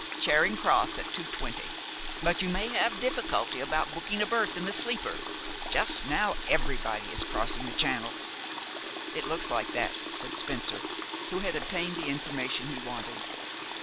Charing Cross at two twenty; but you may have difficulty about booking a berth in the sleeper. Just now everybody is crossing the Channel." "It looks like that," said Spencer, who had obtained the information he wanted.